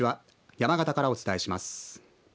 山形からお伝えします。